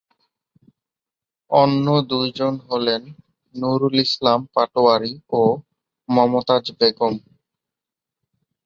অন্য দুজন হলেন নুরুল ইসলাম পাটোয়ারী ও মমতাজ বেগম।